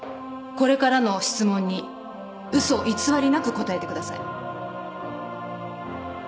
これからの質問に嘘偽りなく答えてください。